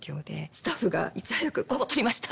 スタッフがいち早く「ここ取りました！」